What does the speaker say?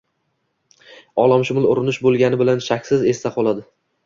olamshumul urinish bo‘lgani bilan, shaksiz, esda qoladi.